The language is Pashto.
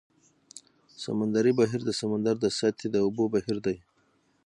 سمندري بهیر د سمندر د سطحې د اوبو بهیر دی.